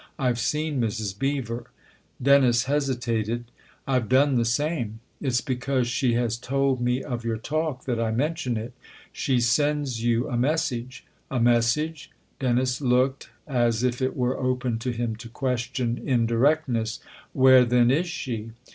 I've seen Mrs. Beever." Dennis hesitated. " I've done the same." " It's because she has told me of your talk that I mention it. She sends you a message." " A message ?" Dennis looked as if it were open to him to question indirectness. "Where then is she